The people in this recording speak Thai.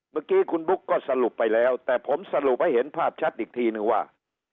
เมื่อกี้คุณบุ๊กก็สรุปไปแล้วแต่ผมสรุปให้เห็นภาพชัดอีกทีนึงว่า